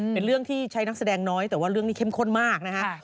เป็นเรื่องที่ใช้นักแสดงน้อยแต่ว่าเรื่องนี้เข้มข้นมากนะฮะ